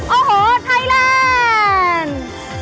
โอ้โหไทยแลนด์